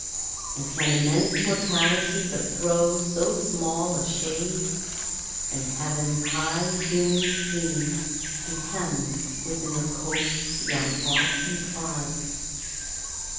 And can immense Mortality but throw So small a shade, and Heaven's high human scheme Be hemmed within the coasts yon arc implies?